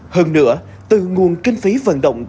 hơn nữa từ nguồn kinh phí vận động